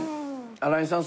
新井さん